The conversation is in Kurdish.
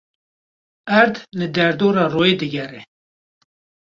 Erd li derdora royê digere.